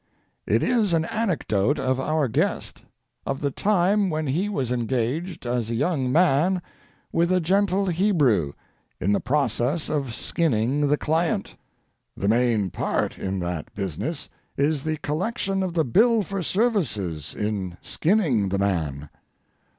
It is an anecdote of our guest, of the time when he was engaged as a young man with a gentle Hebrew, in the process of skinning the client. The main part in that business is the collection of the bill for services in skinning the man.